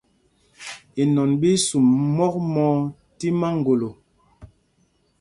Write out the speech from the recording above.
Inɔn ɓí í sum mɔk mɔɔ tí maŋgolo.